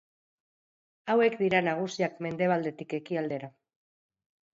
Hauek dira nagusiak mendebaldetik ekialdera.